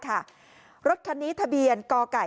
กลุ่มตัวเชียงใหม่